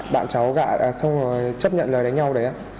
bạn cháu gã xong rồi chấp nhận là đánh nhau đấy á